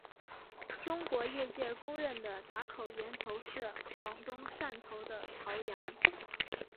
中国业界公认的打口源头是广东汕头的潮阳。